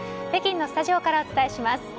北京のスタジオからお伝えします。